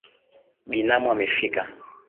Binamu amefika